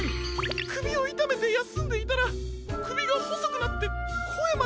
くびをいためてやすんでいたらくびがほそくなってこえまで。